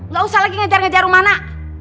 gak usah lagi ngejar ngejar rumah